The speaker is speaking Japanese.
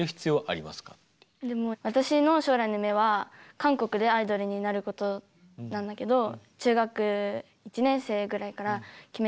でも私の将来の夢は韓国でアイドルになることなんだけど中学１年生ぐらいから決めてて。